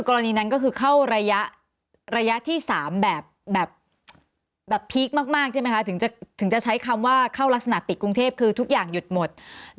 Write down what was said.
กรณีนั้นก็คือเข้าระยะที่๓แบบพีคมากใช่ไหมคะถึงจะใช้คำว่าเข้ารักษณะปิดกรุงเทพคือทุกอย่างหยุดหมด